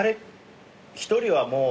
一人はもう。